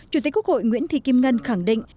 chủ tịch quốc hội nguyễn thị kim ngân khẳng định